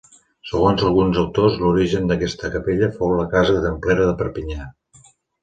Segons alguns autors l'origen d'aquesta capella fou la casa templera de Perpinyà.